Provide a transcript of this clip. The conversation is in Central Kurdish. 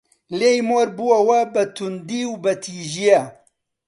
لێی مۆڕ بۆوە بە توندی و بە تیژییە